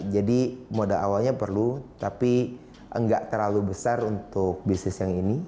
jadi modal awalnya perlu tapi enggak terlalu besar untuk bisnis yang ini